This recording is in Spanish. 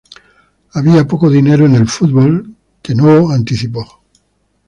Había poco dinero en el fútbol, que Novo anticipó.